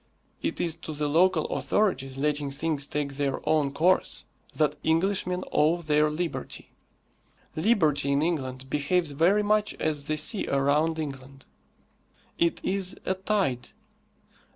It is to the local authorities letting things take their own course that Englishmen owe their liberty. Liberty in England behaves very much as the sea around England. It is a tide.